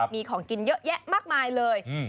มีของกินเยอะแยะมากมายเลย